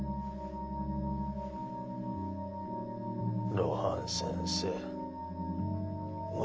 露伴先生六